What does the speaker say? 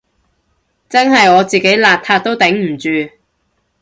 真係我自己邋遢都頂唔住